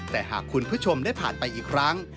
แต่หากคุณผู้ชมได้ผ่านไปอีกครั้ง